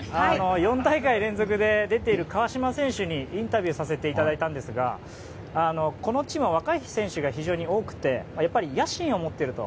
４大会連続で出ている川島選手にインタビューさせていただいたんですがこのチームは若い選手が非常に多くてやっぱり野心を持っていると。